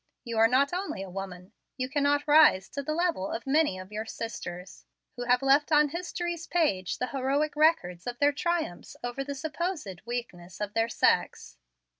You are not only a woman, but you cannot rise to the level of many of your sisters, who have left on history's page the heroic record of their triumphs over the supposed weakness of their sex."